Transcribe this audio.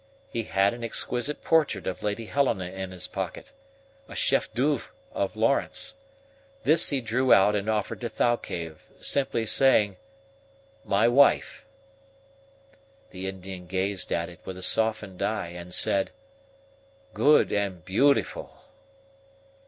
He had an exquisite portrait of Lady Helena in his pocket, a CHEF D'OEUVRE of Lawrence. This he drew out, and offered to Thalcave, simply saying: "My wife." The Indian gazed at it with a softened eye, and said: "Good and beautiful."